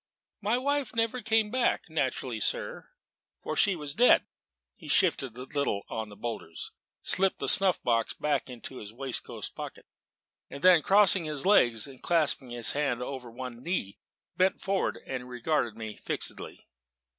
"My wife never came back: naturally, sir for she was dead." He shifted a little on the boulders, slipped the snuff box back into his waistcoat pocket, then crossing his legs and clasping his hands over one knee, bent forward and regarded me fixedly.